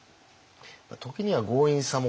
「ときには強引さも」